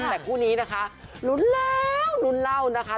แต่คู่นี้นะคะลุ้นแล้วลุ้นเล่านะคะ